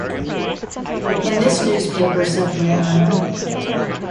"In this newspaper," said the mariner.